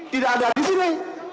tidak ada disini